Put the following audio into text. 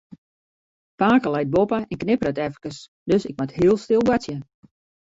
Pake leit boppe en knipperet efkes, dus ik moat heel stil boartsje.